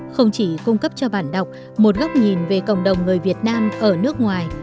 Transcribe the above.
không chỉ cung cấp cho bạn đọc một góc nhìn về cộng đồng người việt nam ở nước ngoài